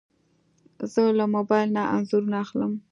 زه له موبایل نه انځورونه اخلم.